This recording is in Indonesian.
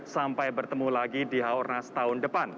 sampai bertemu lagi di haornas tahun depan